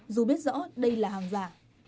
dù biết rõ đây là hàng giả